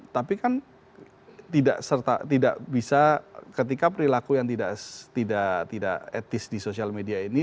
tapi kan tidak bisa ketika perilaku yang tidak etis di sosial media ini